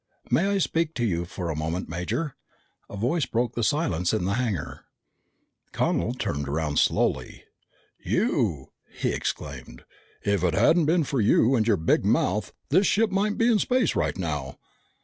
"May I speak to you a moment, Major?" a voice broke the silence in the hangar. Connel turned around slowly. "You!" he exclaimed. "If it hadn't been for you and your big mouth, this ship might be in space right now!"